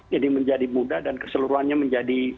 jadi menjadi mudah dan keseluruhannya menjadi